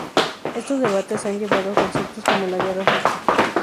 Estos debates han llevado a conceptos como la Guerra justa.